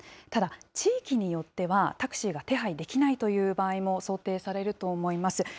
ただ、地域によっては、タクシーが手配できないという場合も想定されると思います。